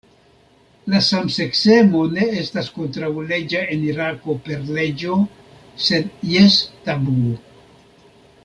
La samseksemo ne estas kontraŭleĝa en Irako per leĝo, sed jes tabuo.